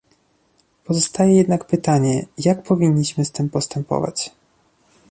Pozostaje jednak pytanie, jak powinniśmy z tym postępować